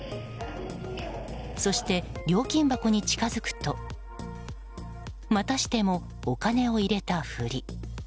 そして、料金箱に近づくとまたしてもお金を入れたふり。